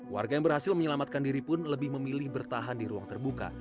warga yang berhasil menyelamatkan diri pun lebih memilih bertahan di ruang terbuka